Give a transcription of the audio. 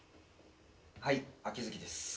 はい秋月です。